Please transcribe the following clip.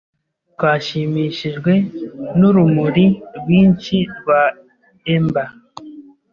Twashimishijwe nurumuri rwinshi rwa ember.